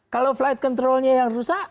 kalau flight controlnya yang rusak